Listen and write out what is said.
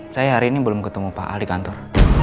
saya hari ini belum ketemu pak al di kantor